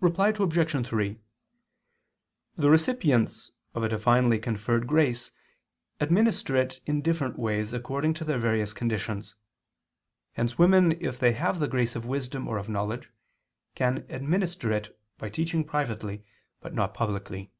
Reply Obj. 3: The recipients of a divinely conferred grace administer it in different ways according to their various conditions. Hence women, if they have the grace of wisdom or of knowledge, can administer it by teaching privately but not publicly.